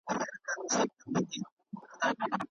آیا وطني تولیدات تر خارجي تولیداتو باوري دي؟